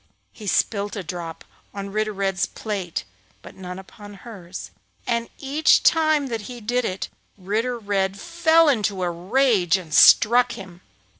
He spilt a drop on Ritter Red's plate but none upon hers, and each time that he did it Ritter Red fell into a rage and struck him.